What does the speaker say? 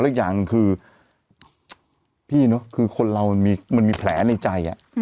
อีกอย่างหนึ่งคือพี่เนอะคือคนเรามันมีแผลในใจ